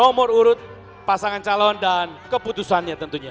nomor urut pasangan calon dan keputusan x dia tentunya